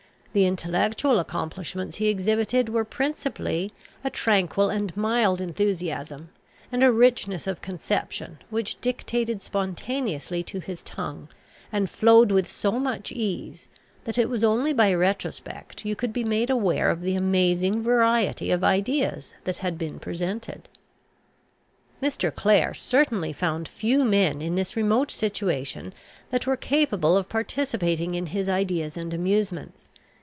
The intellectual accomplishments he exhibited were, principally, a tranquil and mild enthusiasm, and a richness of conception which dictated spontaneously to his tongue, and flowed with so much ease, that it was only by retrospect you could be made aware of the amazing variety of ideas that had been presented. Mr. Clare certainly found few men in this remote situation that were capable of participating in his ideas and amusements.